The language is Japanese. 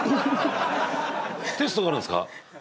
テストがあるんですか？